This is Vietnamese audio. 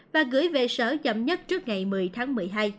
và gửi về sở chậm nhất trước ngày một mươi tháng một mươi hai